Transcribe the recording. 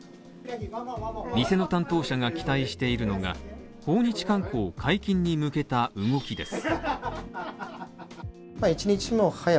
店の担当者が期待しているのが、訪日観光解禁に向けた動きです